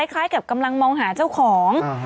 คล้ายกับกำลังมองหาเจ้าของ